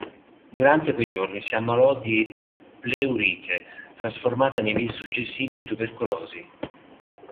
Durante quei giorni si ammalò di pleurite, trasformata nei mesi successivi in tubercolosi.